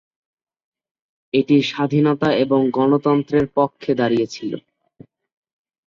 এটি স্বাধীনতা এবং গণতন্ত্রের পক্ষে দাঁড়িয়েছিল।